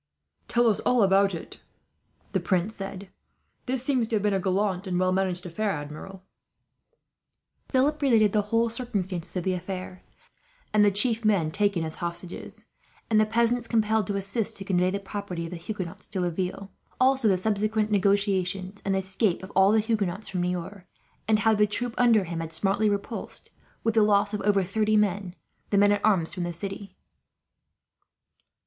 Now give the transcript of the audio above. "Tell us all about it," the prince said. "This seems to have been a gallant and well managed affair, Admiral." Philip related the whole circumstances of the affair; how the townspeople had been heavily punished, and the chief men taken as hostages, and the peasants compelled to assist to convey the property of the Huguenots to Laville; also the subsequent negotiations, and the escape of all the Huguenots from Niort; and how the troop under him had smartly repulsed, with the loss of over thirty men, the men at arms from the city.